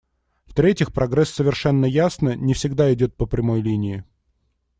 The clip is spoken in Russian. В-третьих, прогресс, совершенно ясно, не всегда идет по прямой линии.